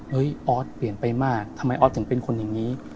ออสเปลี่ยนไปมากทำไมออสถึงเป็นคนอย่างนี้